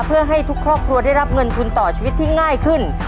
เพื่อให้ทุกครอบครัวได้รับเงินทุนต่อชีวิตที่ง่ายขึ้น